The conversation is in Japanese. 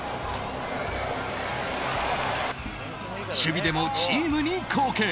守備でもチームに貢献。